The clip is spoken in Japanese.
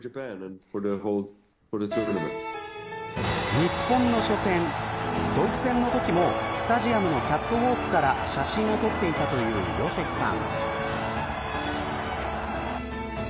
日本の初戦ドイツ戦のときもスタジアムのキャットウォークから写真を撮っていたというヨセクさん。